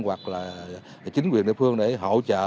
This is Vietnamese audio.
hoặc là chính quyền địa phương để hỗ trợ